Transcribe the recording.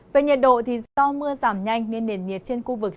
về nhiệt độ do mưa giảm nhanh nên nền nhiệt trên khu vực